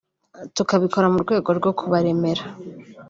tukabikora mu rwego rwo kubaremera